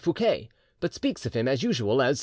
Fouquet," but speaks of him, as usual, as "M.